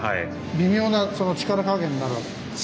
微妙な力加減になるわけですか。